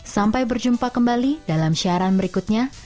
sampai berjumpa kembali dalam siaran berikutnya